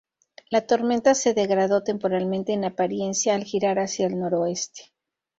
La tormenta se degradó temporalmente en apariencia al girar hacia el noroeste.